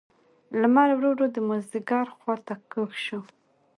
لمر ورو ورو د مازیګر خوا ته کږ شو.